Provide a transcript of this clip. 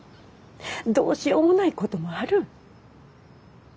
どうしようもないこともある。